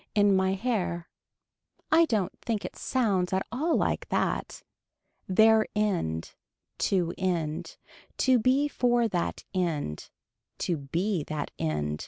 In my hair. I don't think it sounds at all like that. Their end. To end. To be for that end. To be that end.